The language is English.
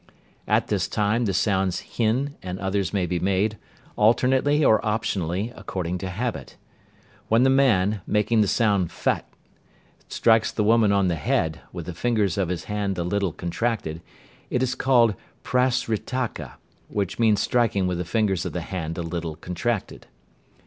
At this time the sounds Hin and others may be made, alternately or optionally, according to habit. When the man, making the sound Phât, strikes the woman on the head, with the fingers of his hand a little contracted, it is called Prasritaka, which means striking with the fingers of the hand a little contracted.